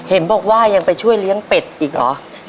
เห็นบอกว่ายังไปช่วยเลี้ยงเป็ดอีกเหรอ